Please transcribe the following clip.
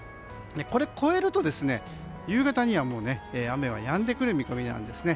これを超えると、夕方にはもう雨はやんでくる見込みですね。